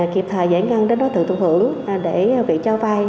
kịp thời giải ngân đến đó tự tục hưởng để bị cho vay